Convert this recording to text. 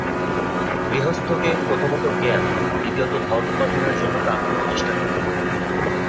গৃহস্থকে প্রথমত জ্ঞান, দ্বিতীয়ত ধন উপার্জনের জন্য প্রাণপণ চেষ্টা করিতে হইবে।